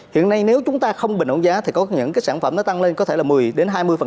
hiện nay nếu chúng ta không bình ổn giá thì có những cái sản phẩm nó tăng lên có thể là một mươi đến hai mươi